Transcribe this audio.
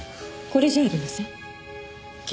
これじゃありません？